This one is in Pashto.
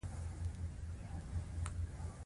یو یو ګل مانه اخلي ټوکرۍ تشه شي.